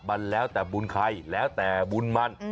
มันแล้วแต่บุญใครแล้วแต่บุญมัน